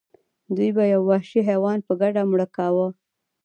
دوی به یو وحشي حیوان په ګډه مړه کاوه.